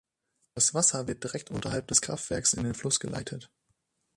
Das Wasser wird direkt unterhalb des Kraftwerks in den Fluss geleitet.